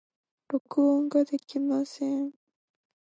録音ができません。